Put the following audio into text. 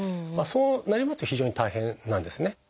そうなりますと非常に大変なんですね。